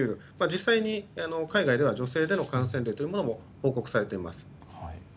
実際に海外では女性での感染例も報告されています。